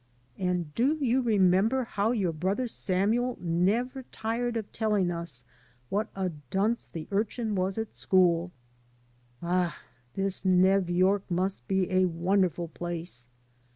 And do you remember how yoiu* brother Samuel never tired of telling us what a dunce the urchin was at school? Ah, this Ney York must be a wonderful place.